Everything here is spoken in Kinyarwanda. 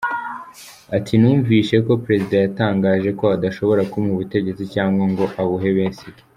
Ati” Numvise ko Perezida yatangaje ko adashobora kumpa ubutegetsi cyangwa ngo abuhe Besigye.